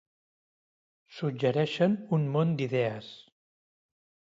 Suggereixen un món d'idees.